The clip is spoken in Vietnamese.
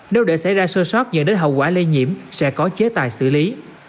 đâu để xảy ra sơ sót nhận đến hậu quả lây nhiễm sẽ có chế tài xử lý